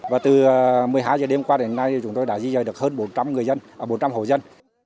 và từ một mươi hai h đêm qua đến nay chúng tôi đã di rời được hơn bốn trăm linh hộ dân